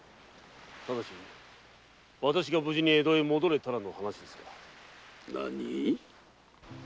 ただしわたしが無事に江戸へ戻れたらの話ですが。